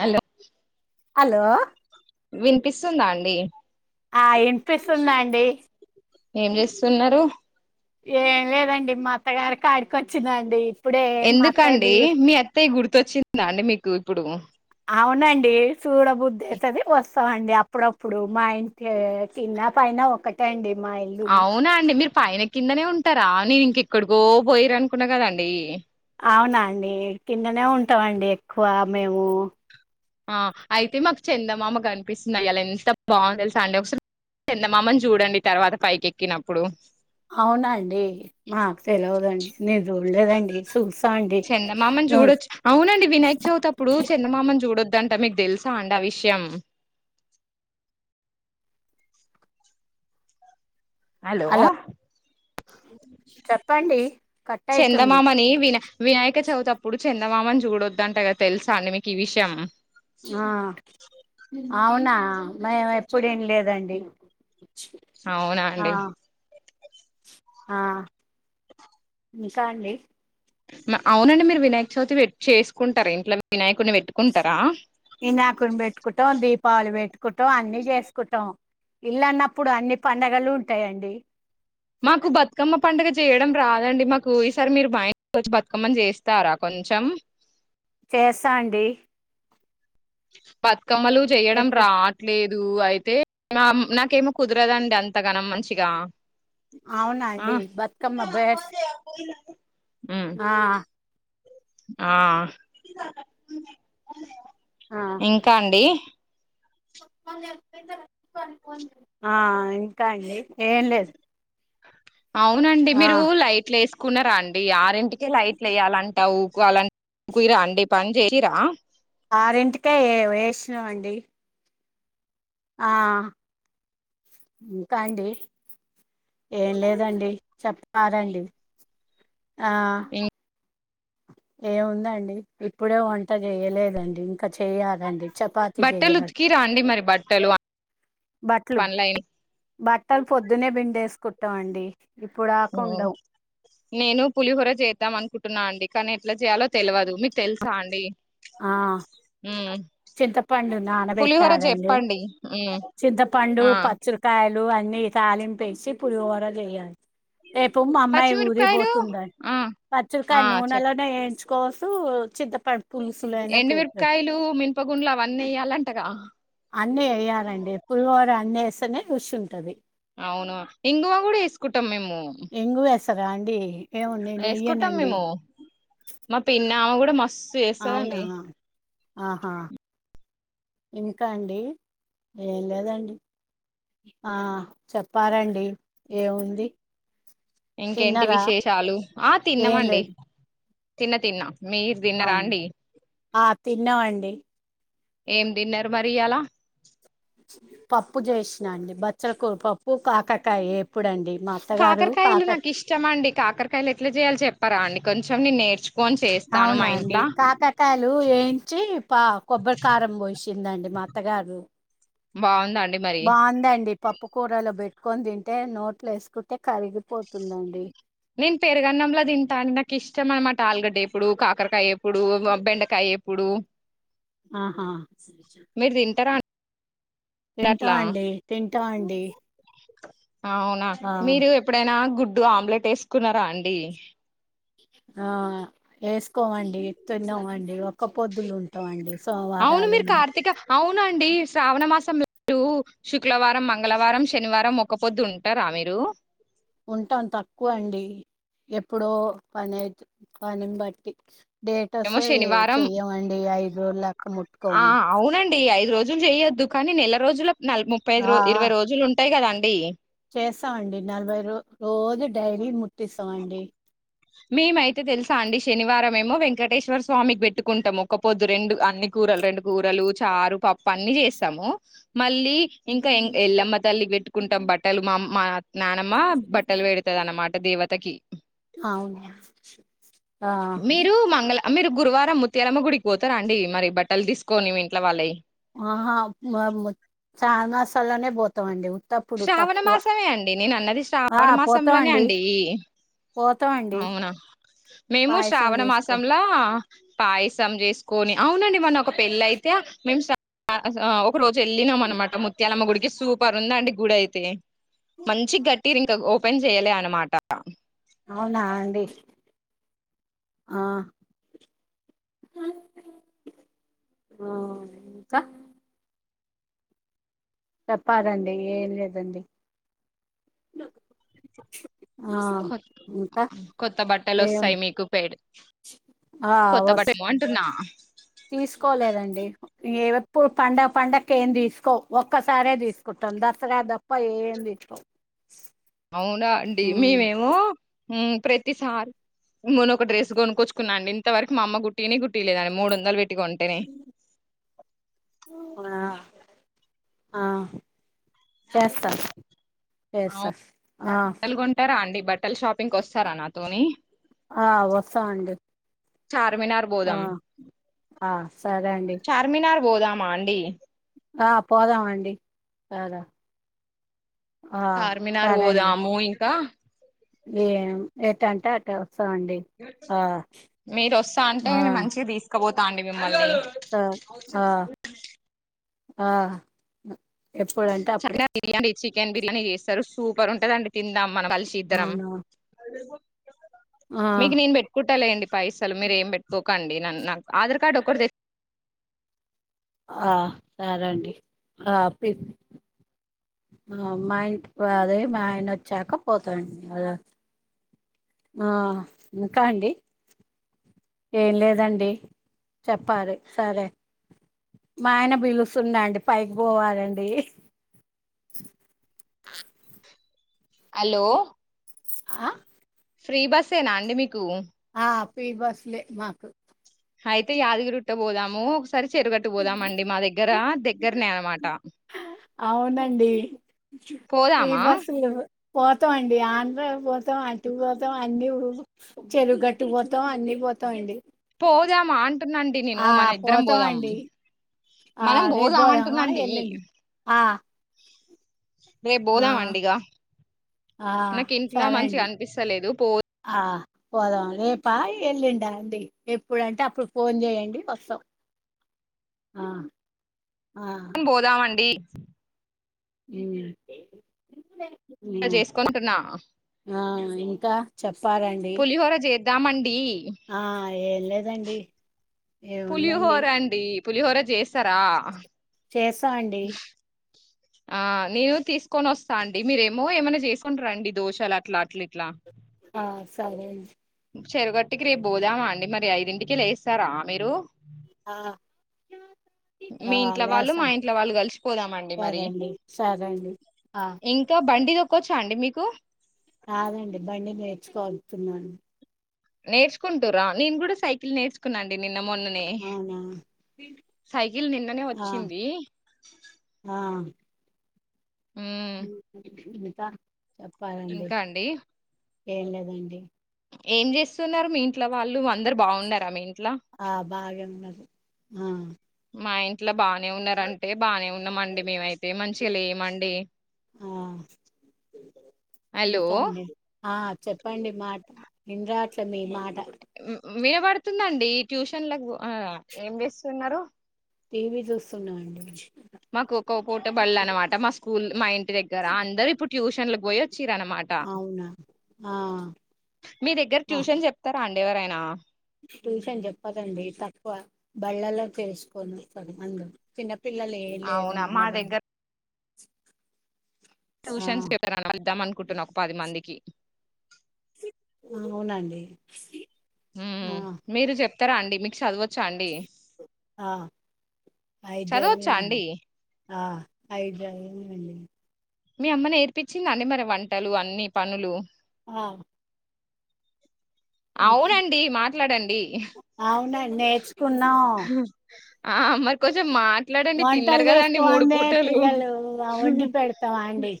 Hello hello వినిపిస్తుందా అండి ఆ వినిపిస్తుంది అండి ఏం చేస్తున్నారు ఏం లేదండి మా అత్తగారికి కాడికివచ్చిన అండి ఎందుకండి మీ అత్త్య గుర్తొచ్చిందా అండి మీకు ఇప్పుడు ఉనండి చూడబుద్ధే అది వస్త అండి అప్పుడప్పుడు మా ఇంటి చిన్న పైన ఒకటే అండి మా ఇల్లు అవునా అండి మీరు పైన కిందనే ఉంటారా నేను ఇంక ఇక్కడికో పోయర అనుకున్నా కదండి అవునా అండి కిందనే ఉంటాండి ఎక్కువ మేము ఆ అయితే మాకు చెందమామకు కనిపిస్తుంది ఇయల ఎంత బాగు తెలుసా అండి ఒకసారి చందమామని చూడండి తర్వాత పైకెక్కినప్పుడు అవునండి మాకు తెలివదండి నేను చూడలేదండి చూస్తా అండి చందమామని నువ్వు చూడొచ్చు అవునండి వినాయక చవితి అప్పుడు చందమామ దంటే మీకు తెలుసామండి ఆ విషయం హలో చెప్పండి కట్ అయితుంది చందమామని వినా వినాయక చవితప్పుడు చందమామని చూడొద్ద అంటే కద తెలుసా అండి మీకు ఈ విషయం ఆ అవునా మేము ఎప్పుడు విన లేదండి అవునా అండి ఆ ఇంకా అండి అవునండి మీరు వినాయక చవితి పేట్ చేసుకుంటారా ఇంట్లో వినాయకుడిని పెట్టుకుంటారా ఇనాకుని పెట్టుకుంటాం దీపావళి పెట్టుకుటాం అన్ని చేసుకుంటాం ఇల్లు అన్నప్పుడు అన్ని పండగలు ఉంటాయండి. మాకు బతుకమ్మ పండుగ చేయడం రాదండి మాకు ఈసారి మీరు మా ఇంటికి వచ్చి బతుకమ్మని చేస్తారా కొంచం చేస్తా అండి బతుకమ్మలు చెయ్యడం ఎప్పుడు రావట్లేదు. అయితే నాకేమో కుదరదండి అంతగానం మంచిగా ఆ అవునండి బతుకమ్మ పేర్స్ ఉమ్, ఆ ఆ ఆ ఇంకా అండి ఆ ఇంకా అండి ఏం లేదు అవునండి ఆ మీరు లైట్లు వేసుకున్నారా అండి ఆరింటికే లైట్లు వేయాలంటా ఊకోవాలంట కుయరా అండి పన్ చెయ్యరా ఆరింటికే ఏ వేసినవండి ఆ ఇంకా అండి ఏం లేదండి చెప్తారండి ఆ ఇం ఏం ఉందండి ఇప్పుడే వంట చెయ్యలేదండి కా చెయ్యాలండి చపాతి బట్టలు చెయ్యా ఉతికిరా అండి మరి బట్టలు బట్టలు పనులైన బట్టలు పొద్దునే బిండేసుకుంటామండి ఊ నేను పులిహోర చేతాం అనుకుంటున్నా అండి కానీ ఎట్లా చేయాలో తెలవదు మీకు తెలుసా అండి ఆ ఊ చింతపండు పులిహోర నానబెట్టాలండి చెప్పండి ఊ చింతపండు పచ్చిరికాయలు అన్నీ తాలింపేసి పులిహోర చెయ్యా రేపు మా అమ్మాయి పచ్చిమిరపకాయలు ఊరికిపోతుంద ఆ ఆ పచ్చిరుకాయలు చెప్ నూనెలోనే ఏంచు కోస చింతప ఎండు మిరపకాయలు మినపగుండ్లు అవన్నీ ఎయ్యాలంటగా అన్నీ ఎయ్యాలండి పులిహోర అన్నీ ఏస్తేనే రుచి ఉంటది అవును ఇంగువ కూడా ఏసుకుంటాం మేము ఇంగువేస్తారా అండి ఏమో నేను ఏసుకుంటాం వెయ్యనండి మేము మా పిన్నామె కూడా మస్ అవునా ఆహా ఇంకా అండి ఏం లేదండి ఆ చెప్పారండి ఏం ఉంది ఇంకేంటి విశేషాలు ఆ ఏం తిన్నమండి లేదు తిన్న తిన్నా మీరు దిన్నరా అవును అండి ఆ తిన్నామండి ఏం దిన్నరు మరి ఇయ్యాల పప్పు జేసినండి బచ్చలి కూర పప్పు కాకరకాయ వే కాకరకాయలు నాకు ఇష్టం అండి కాకరకాయలు ఎట్లా జేయాలి చెప్పారా అండి కొంచెం నేను నేర్చు అవునా అండి కాకకాయలు వేంచి పా కొబ్బరి కారం బోసిందండి మా అత్తగారు బాం బాందండి పప్పు కూరలో బె ట్టుకొని దింటే నోట్లో వేసుకుంటే కరిగిపోతుందండి నేను పెరుగన్నంలో తింటా నాకు ఇష్టం అనమాట ఆలుగడ్డ వేపుడు, కాకరకాయ వేపుడు, వా బెండకాయ్ వెప్పుడు ఆహా అండి తింటం అట్లా అండి తింటం అండి అవునా మీరు ఎప్పుడైనా గుడ్డు ఆమ్లెట్ వేసుకున్నారా అండి ఆ వేసుకోమండి తిన్నమండి ఒక్క పొద్దులు ఉంటాం అండి అవును సోమవారాలు మీరు మం కార్తీక అవునండి శ్రావణ [unintelligible] శుక్లవారం మంగళవారం శనివారం ఒక్క పొద్దు ఉంటారా మీరు ఉంటాం తక్కువ అండి ఎప్పుడో పని ఐతే పనిని బట్టి డేట్ ఏమో వస్సే శనివారం చెయ్యమండి ఐదు రోజులు లెక్క ముట్టుకోం జులు చేయ్యద్దు కానీ నెల రోజులకు నల ముప్పై ఐదు ఇరవై రోజులుంటయి కదా అండి చేస్సామండి నలభై రో రోజు డైలీ ముట్టిస్సామండి మేమైతే తెలుసా అండి శనివారం ఏమో వెంకటేశ్వర స్వామికి పెట్టుకుంటాము ఒక్క పొద్దు రెండు అన్నీ గు కూరలు రెండు కూరలు చారు పప్పు అన్ని చేస్తాము మళ్ళ్ లీ ఇంకా ఎల్లమ్మ తల్లికి పెట్టుకుంటాం బట్టలు మామ్ మా నానమ్మ బట్టలు వేడతది అన్నమాట దేవత్ అవునా ఆ అమీరు గురువారం ముత్యాలమ్మ గుడికి పోతారా అండి మరి బట్టలు దీసుకొని మీ ఇంట్లో వాళ్ళయి ఆహా మేము శ్రావణ మాసంలోనే బోతావండి. ఊ శ్రావణ మాసమే అండి. నేను అన్నది ఆ శ్రావణ మాసంలోనే పోతామండి అండి. పోతామండి అవునా మేము పాయసం శ్రావణ చేసుకో మాసంలా పాయసం జెసుకొని, అవునండి మొన్న ఒక పెళ్ళ అయితే, మేము స అ స అ ఓ. ఒక రోజు ఎల్లిన మన్నమాట, ముత్యాలమ్మ గుడికి, సూపర్ ఉందాండి గుడ అయితే. మంచి గట్టిర్, ఇంకా ఓపెన్ చెయలే అన్నమాట. అవునా అండి ఆ. ఊ ఇంకా. తేప్పారండి ఏ లేదండి. ఆ కొత్ ఇంకా కొత్త బట్టలు ఏం వొస్తాయి, మీకు పేడ్. ఆ కొత్త వస్ బట్టలు ఏమో అంటున్న. ఇప్పు పండ పండకి ఏం దిసుకో, ఒక్కసారే దిసుకుంటాం, దసరా దప్ప ఏం తీసుకొం. అవునా అండి, మేమేమో, ఉమ్ ప్రతిసారి. మొన్న ఒక డ్రెస్ గొనుక్కొచ్చుకున్న, అండి ఇంతవరకు, మా అమ్మ గుట్టియనే గుట్టీయలేద, మూడోందలు పెట్టి. టిగోంటేనే. ఆ ఆ చేస్తా. అవ్ చేస్తా ఆ బట్టలు గొంటారా అండి, బట్టల్ షాపింగ్ కోస్తారా, నాతోనీ. ఆ వొస్తఅండి. చార్మినార్ అ పోదాం అ సరే అండి. చార్మినార్ పోదామా, అండి. ఆ పోదామండి పాదా. ఆ చార్మినార్ సరే అండి. పోదాము ఇంకా ఏమ్ ఎటు అంటే ఆటే వొస్. మీరు వొస్తా అంటే, ఆ నేను మంచిగ తీసుకబోత. త అండి మిమ్మల్లిన్ని. సరే ఆ ఆ ఎప్పుడంటే అప్పుడే. చార్మినార్ బిర్యానీ చికెన్ బిర్యానే యేస్తారు, సూపర్ ఉంటదండి తిందాం మనం కలిసి ఇద్దరం. అవునా ఆ మీకు నేను పెట్టుకుంటా లేండి, పైసలు మీర ఏం పెట్టుకో. కండి నన్ను నాకు ఆధార్ కార్డ్ ఒకటి తె. ఆ సరే అండి అపి. మా ఇంటికి అ అదే మా ఆయన వొచ్చాక పోతాండి అలా. ఆ ఇంకా అండి. ఏం లేదండి చెప్పాలి సరే. మా ఆయన బిలుస్తు అండి, అండి పైకి బోవాలే. హలో. ఆ. ఫ్రీ బస్సేనా, అండి మీకు. ఆ పి బస్సులే మాకు. అయితే యాదగిరి ఉుట్టబోదాము. సరే చెరుగట్టుకు వొదామండి మా దగ్గర, దగ్గరనే అన్నమాట. అవునండి, పి పోదామా బస్సులు. పోతాం అండి, ఆంధ్ర పోతాం, అటు పోతాం, అన్ని ఊ. చెరువు గట్టు బోతాం, అన్ని బోతా అండి. పోదామా అంటున్నాండి నేను, ఆ మన ఇద్దరం పోతాం బోదామ్. అండి ఆ మనం రేపు పోదామా బోదమంటుంనండి. ఎల్లుండి ఆ రేపు ఆ బోద మండి ఈగ. ఆ నాకు ఇంట్ల సరే మంచిగా అండి కనిపిస్తలేదు, పో. ఆ పోదాం లేపా ఎల్లుండ అండి, ఎప్పుడుంటే అప్పుడు ఫోన్ చేయండి, వస్తాం. ఆ. ఆ మనం, బోధమండి. ఎం లేదండి. ఇలా జేసుకొంటున్న. ఇంకా చెప్పారండి దామండి ఆ ఏం లేదండి ఏముందండి పులిహోర అండి పులిహోర చేస్తారా చేస్తా అండి ఆ నేను తీసుకొని వస్తా అండి మీరేమో ఏమైనా చేసుకుంటారండి దోషాలు అట్లా అట్లా ఇట్లా ఆ సరే చెరుగట్టుకి రేపు పోదామా అండి మరి ఐదింటికి లేేస్తారా మీరు ఆ ఆ మీ ఇంట్లో వాళ్ళు మా లేస్తాం ఇంట్ల వాళ్ళు కలిసిపోదామండి సరే మరి అండి సరే అండి ఆ ఇంకా బండి తొక్కొవచ్చా అండి మీకు రాదండి బండిీ నేర్చుకోగుతున్నాను నేర్చుకుంటూరా నేను కూడా సైకిల్ నేర్చుకున్నాండి నిన్న మొన్ననే అవునా సైకిల్ నిన్ననే ఆ వచ్చింది ఆ ఉమ్ ఇతా చెప్పాలండి ఇంకా అండి ఏం లేదండి ఏం చేస్తున్నారు మీ ఇంట్లో వాళ్ళు అందరు బాగున్నారా ఆ మీ ఇంట్ ఆ బాగానే ఉన్నారు ఆ మా ఇంట్లో బానే ఉన్నారంటే బాగానే ఉన్నామండి మేమయితే మంచిగా లేమండి ఆ హలో ఇంకా అండి ఆ చెప్పండి మా నిాట్ల మీ మాట విలబడుతుందండి ఈ ట్యూషన్లకు ఆ ఏం చేస్తున్నారు టీవీ చూస్తున్నాం అండి మాకు ఒక్క పూట బళ్ళ అనమాట మా స్కూల్ మా ఇంటి దగ్గర అందరు ఇప్పుడు ట్యూషన్ కి పోయి వచ్చర అనమాట అవునా ఆ మీ దగ్గర ఆ ట్యూషన్ చెప్తారా అండీ ఎవరైనా ట్యూషన్ చెప్పదండి తక్కువ బళ్ళల్లో తెలుసుకొని వస్తారు అందు చిన్న పిల్లలు ఏం అవునా లేదండి మా మాబధ దగ్గర ట్యూషన్స్ పపద్దాం అనుకుంటున్నా ఒక పది మందికి అవునండి ఉ ఆ మీరు చెప్తారా అండి మీకు చదవచ్చా అండి ఆ చదవచ్చా ఐదుజదివినండి అండి ఆ ఐదుజాదివినండి మీ అమ్మని నేర్పించింద అండి మరి వంటలు అన్ని పనులు ఆ ఉంటా అవునండి మాట్లాడండి అవునండి నేర్చుకున్నాం ఆ అ మరి కొంచెం మాట్ ఎట్లాడండి వంటలు తిన్నారు కదా అండి మూడు చేసుకోందే పూటలు పిల్లలు వండి పెడతాం అండి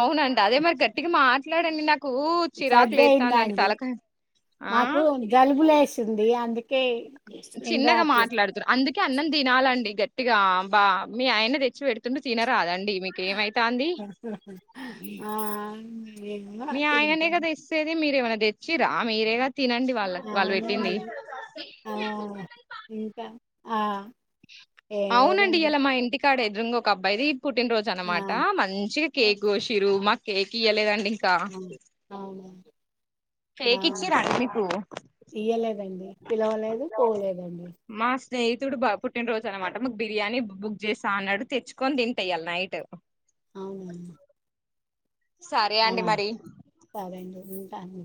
అవునండి అదే మరి గట్టిగా మాట్లాడండి నాకు చిరాకు లేస్తాందండి సర్దియిందండి తలకాయ ఆ నాకు జలుబులేశింది అందుకే ఏం చిన్నగా రాట్లే మాట్లాడుతుారు అందుకే అన్నం తినాలండి గట్టి ట్టిగాబా మీ ఆయన్న తెచ్చి పెడుతుంటూ తినరాదండి ండి మీక ఏమైతాంది ఆ ఏమో మీ అట్ల ఆయనే కదా ఇస్తేది మీరేమైన్నా తెచ్చిరా మీరే కదా అవునండి ఆ ఇంకా ఆ ఏం అవునండి లేదండి ఇలా మా ఇంటికాడ ఎదురుంగ ఒక అబ్బయిది పుట్టినరోజు ఆ అనమాట మంచిగా కేకుకొశిరు మాకు కేక్ ఇయ్యలేదండి అ అవును కేకి ఇచ్చి ఆ రామీ తూ ఇయ్యలేదండి పిలవలేదు పోవలేదండి మా స్నేహితుడు బ పుట్టినరోజు అనమాట మాకు బిర్యానీ బుక్ చేస్తా అన్నాడు తెచ్చుకొని తింటాయ్యాలి నైట్ అవున్ సరే ఆ అండి మరి సరే అండి ఉంటాను